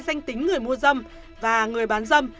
danh tính người mua dâm và người bán dâm